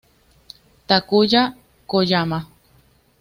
Takuya Koyama